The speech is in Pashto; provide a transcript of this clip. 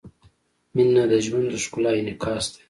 • مینه د ژوند د ښکلا انعکاس دی.